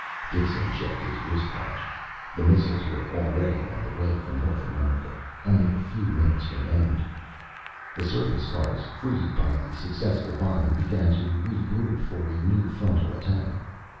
Dixon checked his wristwatch. The missiles were already on the way from North America. Only a few minutes remained. The surface cars, freed by the successful bombing, began to regroup for a new frontal attack.